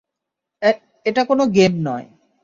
এটা কোনো গেম নয়!